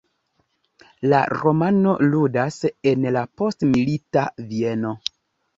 La romano ludas en la postmilita Vieno.